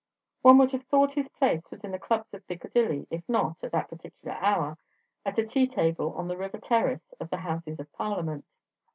One would have thought his place was in the clubs of Piccadilly if not (at that particular hour) at a tea table on the river terrace of the Houses of Parliament.